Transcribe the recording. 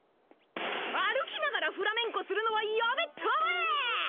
歩きながらフラメンコするのはやめたまえ！